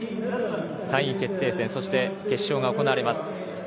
３位決定戦、決勝が行われます。